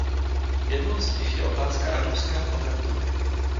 Jednou z nich je otázka evropského patentu.